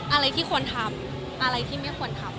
อะไรที่ควรทำอะไรที่ไม่ควรทำ